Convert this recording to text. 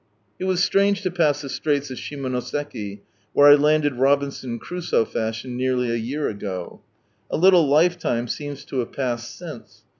It was strange to pass the Straits of Shimonoseki, where I landed Robinson Crusoe fashion nearly a year ago, A little life time seems to have passed since.